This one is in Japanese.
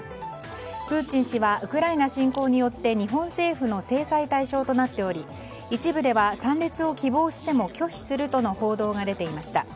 プーチン氏はウクライナ侵攻によって日本政府の制裁対象となっており一部では参列を希望しても拒否するとの報道が出ていました。